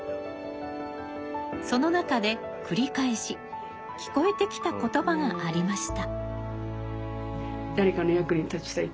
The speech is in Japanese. その中で繰り返し聞こえてきた言葉がありました。